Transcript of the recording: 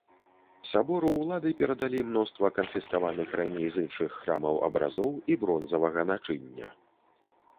Сабору ўлады перадалі мноства канфіскаваных раней з іншых храмаў абразоў і бронзавага начыння.